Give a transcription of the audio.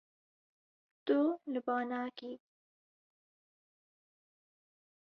Tu li ba nakî.